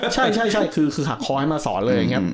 ใช่คือหักคอให้มาสอนเลย